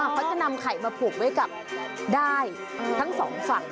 เขาจะนำไข่มาผูกไว้กับด้ายทั้งสองฝั่ง